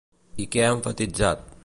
I què ha emfasitzat?